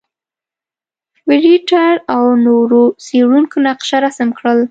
فرېټر او نورو څېړونکو نقشه رسم کړل.